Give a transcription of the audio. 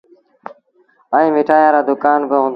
ائيٚݩ مٺآيآن رآ دُڪآن با هُݩدآ۔